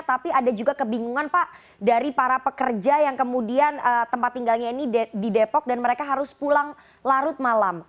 tapi ada juga kebingungan pak dari para pekerja yang kemudian tempat tinggalnya ini di depok dan mereka harus pulang larut malam